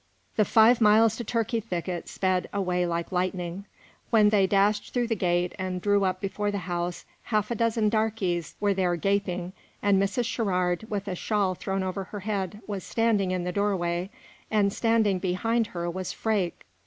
The five miles to Turkey Thicket sped away like lightning. When they dashed through the gate and drew up before the house, half a dozen darkies were there gaping; and Mrs. Sherrard, with a shawl thrown over her head, was standing in the doorway, and standing behind her was Freke.